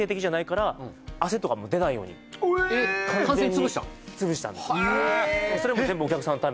完全に潰したんですよ